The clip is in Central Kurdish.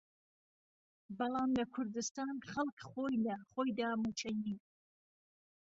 بهڵام له کوردستان خهڵک خۆی له خۆیدا مووچهی نییه